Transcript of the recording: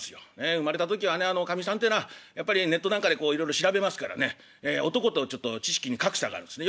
生まれた時はねおかみさんてのはやっぱりネットなんかでいろいろ調べますからね男とちょっと知識に格差があるんですね。